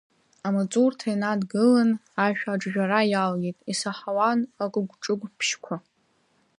Амаҵурҭа инадгылан, ашә аҿжәара иалагеит, исаҳауан аҟыгә-ҿыгәбыжьқәа.